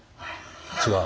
違う？